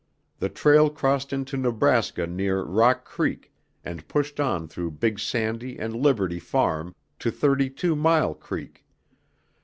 The trail crossed into Nebraska near Rock Creek and pushed on through Big Sandy and Liberty Farm, to Thirty two mile Creek.